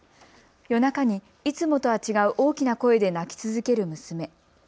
夜中にいつもとは違う大きな声で泣き続ける娘。